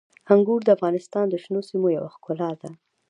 انګور د افغانستان د شنو سیمو یوه ښکلا ده.